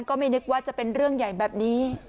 ก็ไม่นึกว่าจะเป็นเรื่องใหญ่แบบนี้